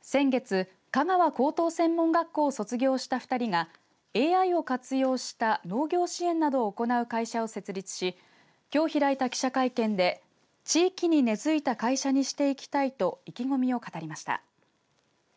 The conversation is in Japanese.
先月、香川高等専門学校を卒業した２人がＡＩを活用した農業支援などを行う会社を設立しきょう開いた記者会見で地域に根づいた会社にしていきたいと意気込みを語りました。